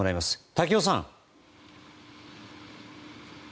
瀧尾さん。